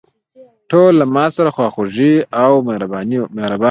ټول له ماسره خواخوږي او مهربانه وو.